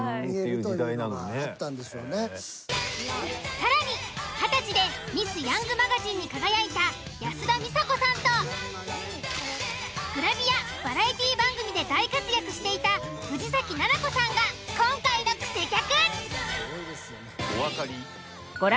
更に二十歳でミスヤングマガジンに輝いた安田美沙子さんとグラビアバラエティー番組で大活躍していた藤崎奈々子さんが今回のクセ客。